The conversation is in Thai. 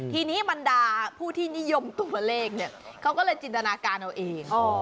ทีนี้บรรดาผู้ที่นิยมตัวเลขเนี่ยเขาก็เลยจินตนาการเอาเอง